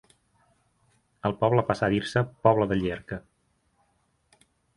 El poble passà a dir-se Poble de Llierca.